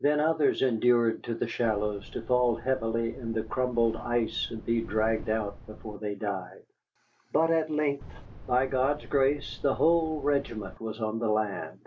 Then others endured to the shallows to fall heavily in the crumbled ice and be dragged out before they died. But at length, by God's grace, the whole regiment was on the land.